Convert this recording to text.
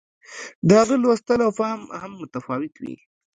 د هغه لوستل او فهم هم متفاوت وي.